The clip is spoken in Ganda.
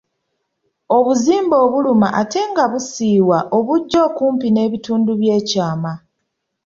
Obuzimba obuluma ate nga busiiwa obujja okumpi n’ebitundu byekyama.